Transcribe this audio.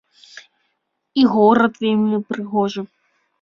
І горад вельмі прыгожы.